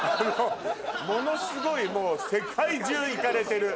ものすごいもう世界中行かれてる。